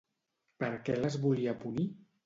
Per què les volia punir?